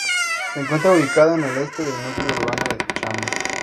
Se encuentra ubicada en el este del núcleo urbano de Cham.